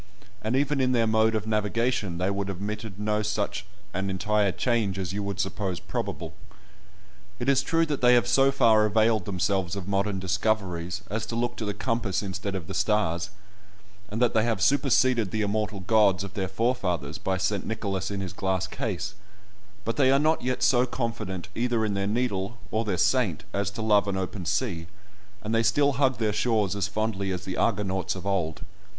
And even in their mode of navigation they have admitted no such an entire change as you would suppose probable. It is true that they have so far availed themselves of modern discoveries as to look to the compass instead of the stars, and that they have superseded the immortal gods of their forefathers by St. Nicholas in his glass case, but they are not yet so confident either in their needle, or their saint, as to love an open sea, and they still hug their shores as fondly as the Argonauts of old.